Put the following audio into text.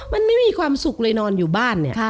มันไม่มีความสุขเลยนอนอยู่บ้านเนี่ย